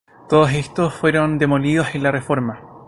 Todos estos fueron demolidos en la Reforma.